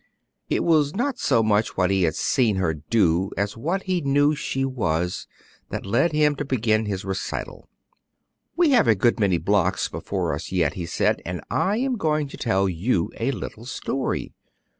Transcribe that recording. It was not so much what he had seen her do as what he knew she was, that led him to begin his recital. "We have a good many blocks before us yet," he said, "and I am going to tell you a little story.